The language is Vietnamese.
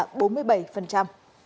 cơ quan cảnh sát điều tra